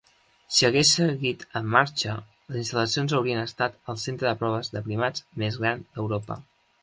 Si hagués seguit en marxa, les instal·lacions haurien estat el centre de proves de primats més gran d'Europa.